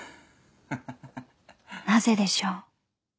［なぜでしょう？］